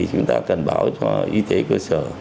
chúng ta cần báo cho y tế cơ sở